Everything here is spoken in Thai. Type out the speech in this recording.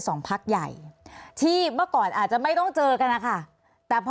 รัฐบาลนี้ใช้วิธีปล่อยให้จนมา๔ปีปีที่๕ค่อยมาแจกเงิน